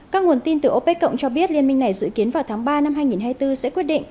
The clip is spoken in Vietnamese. các nguồn tin từ opec cộng cho biết liên minh này dự kiến vào tháng ba năm hai nghìn hai mươi bốn sẽ quyết định